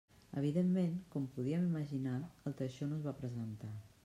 Evidentment, com podíem imaginar, el teixó no es va presentar.